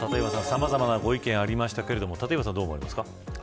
さまざまなご意見がありますけれどもどう思われますか。